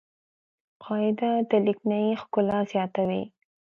قاعده د لیکني ښکلا زیاتوي.